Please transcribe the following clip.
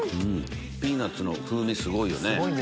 ピーナツの風味すごいよね。